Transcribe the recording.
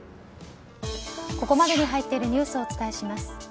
ここまでに入っているニュースをお伝えします。